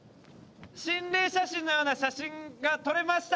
心霊写真のような写真が撮れました